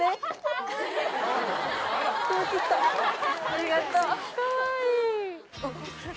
ありがとう。